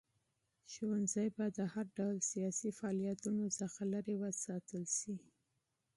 ښوونځي باید د هر ډول سیاسي فعالیتونو څخه لرې وساتل شي.